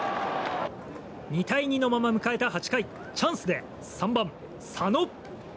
２対２のまま迎えた８回チャンスで３番、佐野。